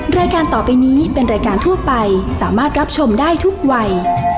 รายการต่อไปนี้เป็นรายการทั่วไปสามารถรับชมได้ทุกวัย